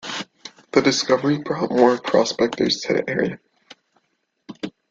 That discovery brought more prospectors to the area.